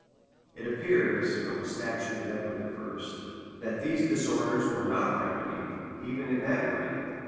It appears, from a statute of Edward I., that these disorders were not remedied even in that reign.